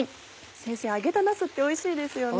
先生揚げたなすっておいしいですよね。